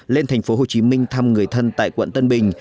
lên thành phố hồ chí minh thăm người thân tại quận tân bình